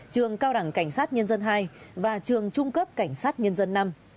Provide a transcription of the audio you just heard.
trường cao đẳng cảnh sát nhân dân hai và trường trung cấp cảnh sát nhân dân năm